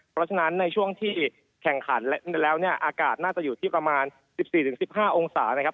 เพราะฉะนั้นในช่วงที่แข่งขันแล้วเนี่ยอากาศน่าจะอยู่ที่ประมาณ๑๔๑๕องศานะครับ